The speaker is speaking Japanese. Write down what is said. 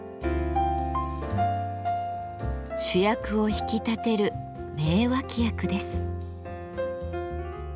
主役を引き立てる名脇役です。